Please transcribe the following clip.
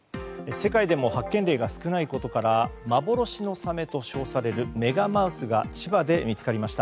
世界でも発見例が少ないことから幻のサメと称されるメガマウスが千葉で見つかりました。